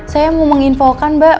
saya mau menginfokan mbak